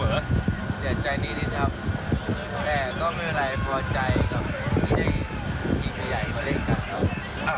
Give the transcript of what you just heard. เหนื่อยใจนิดนิดครับ